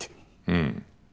うん。